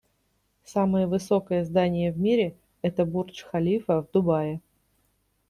Самое высокое здание в мире - это Бурдж Халифа в Дубае.